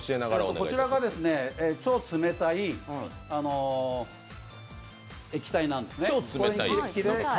こちらが超冷たい液体なんですね。